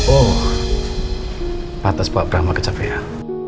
oh atas pak brahma kecapean